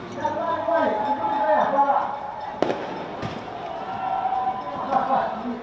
kita pihak tersebut melakukan dialog snake